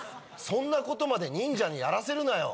そんなことまで忍者にやらせるなよ！